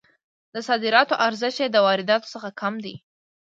د صادراتو ارزښت یې د وارداتو څخه کم دی.